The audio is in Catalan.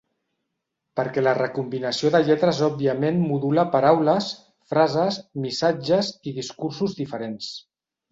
Perquè la recombinació de lletres òbviament modula paraules, frases, missatges i discursos diferents.